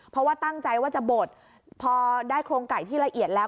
เพราะว่าตั้งใจว่าจะบดพอได้โครงไก่ที่ละเอียดแล้ว